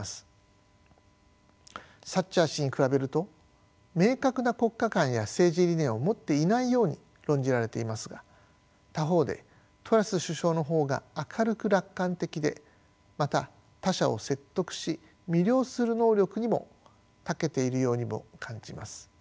サッチャー氏に比べると明確な国家観や政治理念を持っていないように論じられていますが他方でトラス首相の方が明るく楽観的でまた他者を説得し魅了する能力にもたけているようにも感じます。